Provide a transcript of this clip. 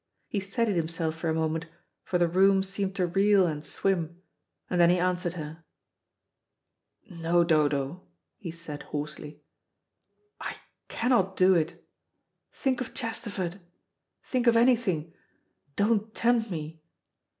He steadied himself for a moment, for the room seemed to reel and swim, and then he answered her. "No, Dodo," he said hoarsely, "I cannot do it. Think of Chesterford! Think of anything! Don't tempt me.